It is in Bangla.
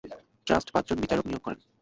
ট্রাস্ট পাঁচজন বিচারক নিয়োগ করে।